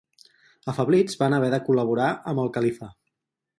Afeblits van haver de col·laborar amb el califa.